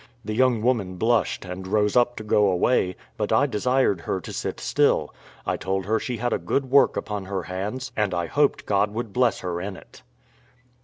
The young woman blushed, and rose up to go away, but I desired her to sit still; I told her she had a good work upon her hands, and I hoped God would bless her in it.